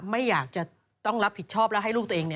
ไม่อยากจะต้องรับผิดชอบแล้วให้ลูกตัวเอง